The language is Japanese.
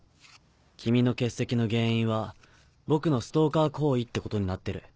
君の欠席の原因は僕のストーカー行為ってことになってる。